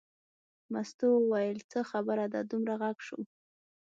مستو وویل څه خبره ده دومره غږ شو.